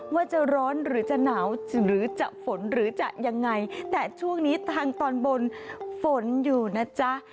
ว่าจะร้อนหรือจะหนาวหรือจะฝนหรือจะยังไงแต่ช่วงนี้ทางตอนบนฝนอยู่นะจ๊ะ